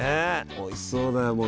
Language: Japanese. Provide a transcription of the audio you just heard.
おいしそうだよ。